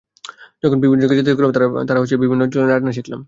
যখন বিভিন্ন জায়গায় যেতে শুরু করলাম, তখন বিভিন্ন অঞ্চলের রান্না শিখলাম।